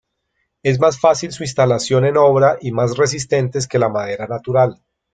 Es más fácil su instalación en obra y más resistentes que la madera natural.